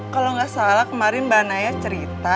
kalau nggak salah kemarin mbak naya cerita